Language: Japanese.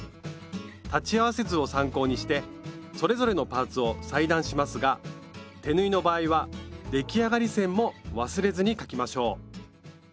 裁ち合わせ図を参考にしてそれぞれのパーツを裁断しますが手縫いの場合は出来上がり線も忘れずに描きましょう。